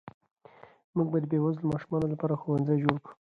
موږ به د بې وزلو ماشومانو لپاره ښوونځي جوړ کړو.